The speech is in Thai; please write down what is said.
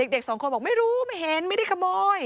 เด็กสองคนบอกไม่รู้ไม่เห็นไม่ได้ขโมย